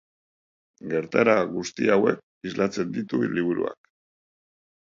Gertaera guzti hauek islatzen ditu liburuak.